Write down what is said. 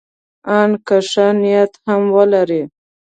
ان که ښه نیت هم ولري.